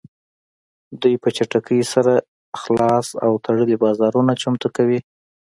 دوی په چټکۍ سره خلاص او تړلي بازارونه چمتو کوي